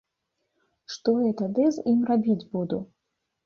Што я тады з ім рабіць буду.